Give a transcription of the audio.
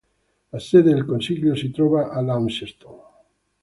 La sede del consiglio si trova a Launceston.